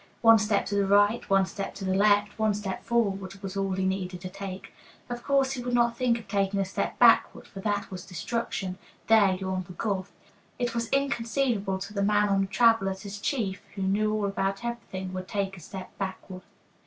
One step to the right, one step to the left, one step forward was all he need take. Of course, he would not think of taking a step backward, for there was destruction there yawned the gulf. It was inconceivable to the man on the "traveler" that his chief, who knew all about everything, would take a step backward.